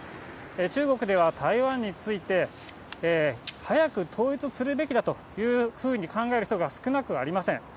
中国では台湾について、早く統一するべきだというふうに考える人が少なくありません。